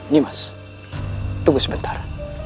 nimas tunggu sebentar